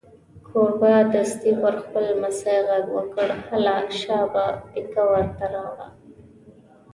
کوربه دستي پر خپل لمسي غږ وکړ: هله شابه پیکه ور ته راوړه.